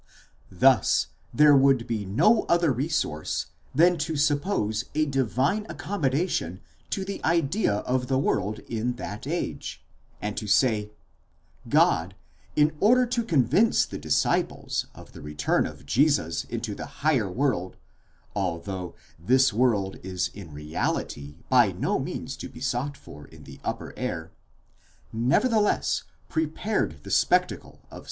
Thus there would be no other resource than to suppose a divine accommodation to the idea of the world in that age, and to say: God in order to convince the disciples of the return of Jesus into the higher world, although this world is in reality by no means to be sought for in the * Gabler, in the neuesten theol. Journal 3, 5.